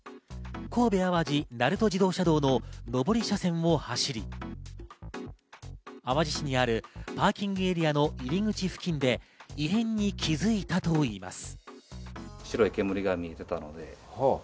神戸淡路鳴門自動車道の上り車線を走り、淡路市にあるパーキングエリアの入口付近で異変に気づいたといいます。